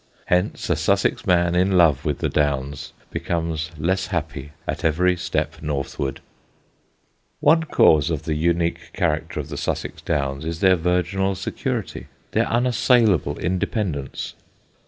Hence a Sussex man in love with the Downs becomes less happy at every step northward. [Sidenote: THE INVIOLATE HILLS] One cause of the unique character of the Sussex Downs is their virginal security, their unassailable independence.